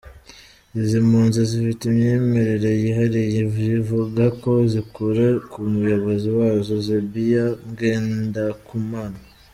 Izi mpunzi zifite imyemerere yihariye zivuga ko zikura k’umuyobozi wazo Zebiya Ngendakumana.